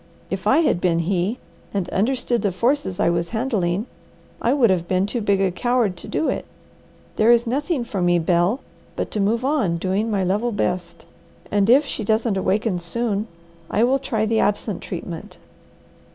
If I had been He, and understood the forces I was handling, I would have been too big a coward to do it. There is nothing for me, Bel, but to move on doing my level best; and if she doesn't awaken soon, I will try the absent treatment.